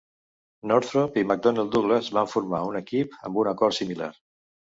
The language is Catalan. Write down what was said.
Northrop i McDonnell Douglas van formar un equip amb un acord similar.